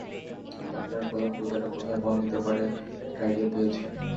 আপনার বলা কবিতাটা কোথায় পাওয়া যেতে পারে একটা আইডিয়া পেয়েছি।